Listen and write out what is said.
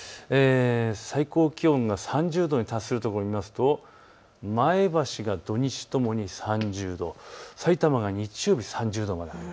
最高気温が３０度に達するところを見ますと前橋が土日ともに３０度、さいたまが日曜日３０度まで上がる。